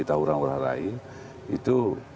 taurang warah rai itu